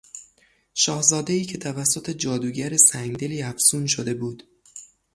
شاهزادهای که توسط جادوگر سنگدلی افسون شده بود